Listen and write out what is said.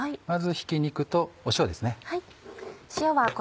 まずひき肉と塩ですね。